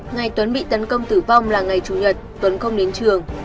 ngày tuấn bị tấn công tử vong là ngày chủ nhật tuấn không đến trường